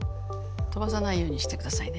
飛ばさないようにしてくださいね。